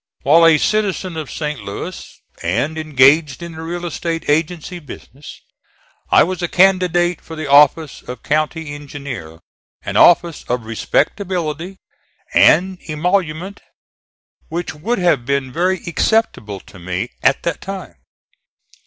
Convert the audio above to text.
While a citizen of St. Louis and engaged in the real estate agency business, I was a candidate for the office of county engineer, an office of respectability and emolument which would have been very acceptable to me at that time.